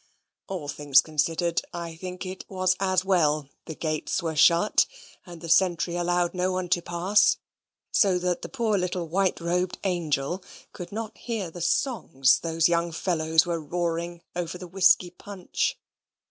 ... All things considered, I think it was as well the gates were shut, and the sentry allowed no one to pass; so that the poor little white robed angel could not hear the songs those young fellows were roaring over the whisky punch.